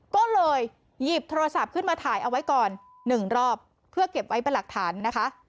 ก็เลยหยิบโทรศัพท์ขึ้นมาถ่ายเอาไว้ก่อนหนึ่งรอบเพื่อเก็บไว้เป็นหลักฐานนะคะ